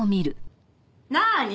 なあに？